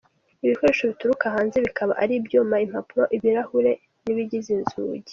Ibikoresho bituruka hanze bikaba ari ibyuma, impapuro n’ibirahure bigize inzugi.